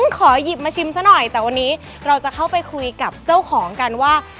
ขอหยิบมาชิมซะหน่อยแต่วันนี้เราจะเข้าไปคุยกับเจ้าของกันว่า